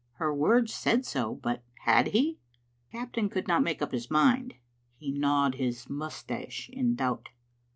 Her words said so, but had he? The captain could not make up his mind. He gnawed his mous tache in doubt.